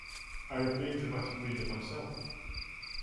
I have been dramatic reader myself.